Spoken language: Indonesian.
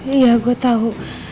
iya gue tau